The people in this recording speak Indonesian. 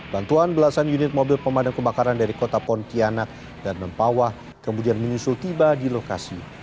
bantuan belasan unit mobil pemadam kebakaran dari kota pontianak dan mempawah kemudian menyusul tiba di lokasi